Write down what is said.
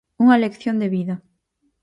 Unha lección de vida.